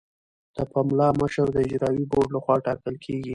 د پملا مشر د اجرایوي بورډ لخوا ټاکل کیږي.